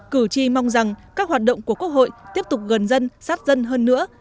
cử tri mong rằng các hoạt động của quốc hội tiếp tục gần dân sát dân hơn nữa